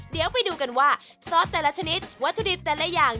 เดี๋ยวไปดูกันว่าซอสแต่ละชนิดวัตถุดิบแต่ละอย่าง